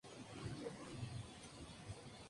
El Sport Clube Sal Rei es el equipo defensor del título.